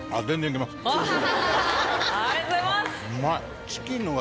ありがとうございます！